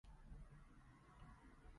我曉得他們的方法，